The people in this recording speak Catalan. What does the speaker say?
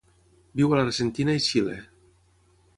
Viu a l'Argentina i Xile.